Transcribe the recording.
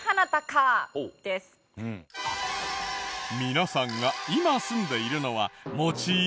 皆さんが今住んでいるのは持ち家？